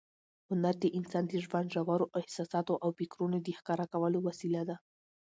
هنر د انسان د ژوند ژورو احساساتو او فکرونو د ښکاره کولو وسیله ده.